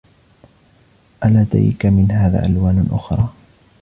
ألديك من هذا ألوان أخرى ؟